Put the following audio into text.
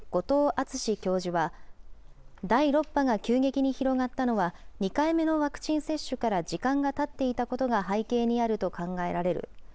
藤温教授は、第６波が急激に広がったのは、２回目のワクチン接種から時間がたっていたことが背景にあると考えられる。